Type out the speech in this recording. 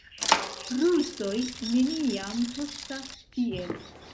Rusoj neniam tostas tiel.